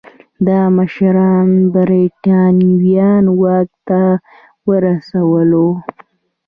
دا مشران برېټانویانو واک ته ورسول وو.